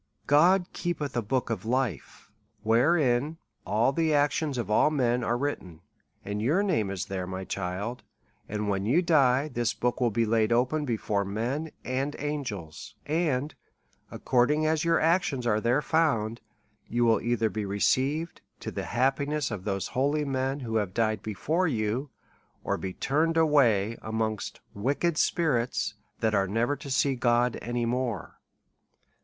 God keepeth a book of life, wherein all the actions of all men are written ; your name is thefe, my child, and when you die, this book will be laid open before men and angels, and according as your actions are there found, you will either be received to the happi ness of those holy men who have died before you, or be turned away amongst wicked spirits, that are never to see God any more.